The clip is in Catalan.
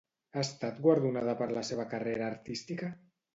Ha estat guardonada per la seva carrera artística?